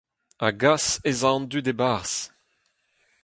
A-gas ez a an dud e-barzh.